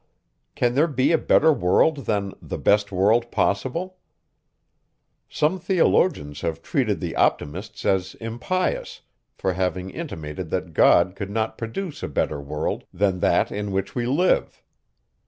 Can there be a better world than the best world possible? Some theologians have treated the Optimists as impious, for having intimated that God could not produce a better world, than that in which we live.